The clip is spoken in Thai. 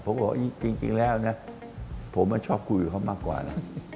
ผมบอกจริงแล้วนะผมชอบคุยกับเขามากกว่านะ